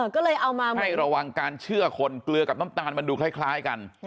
ก็เลยเอามาไม่ระวังการเชื่อคนเกลือกับน้ำตาลมันดูคล้ายกัน